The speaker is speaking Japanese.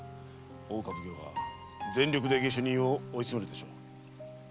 大岡奉行は全力で下手人を追い詰めるでしょう。